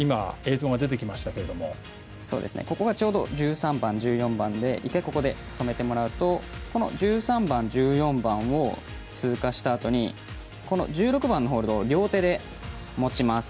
ここが、ちょうど１３番１４番で１回、ここで止めてもらうと１３番、１４番を通過したあとに１６番のホールドを両手で持ちます。